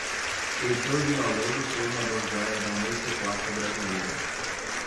Heitor Villa-Lobos foi uma das joias da música clássica brasileira